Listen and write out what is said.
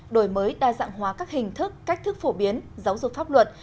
đổi mới đa dạng hóa các hình thức cách thức phổ biến giáo dục pháp luật